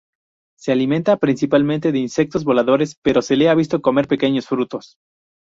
Se alimenta principalmente de insectos voladores, pero se la ha visto comer pequeños frutos.